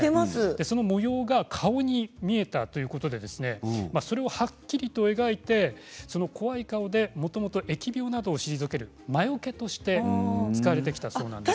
その模様が顔に見えたということでそれをはっきりと描いて怖い顔で、もともと疫病などを退ける魔よけとして使われてきたそうです。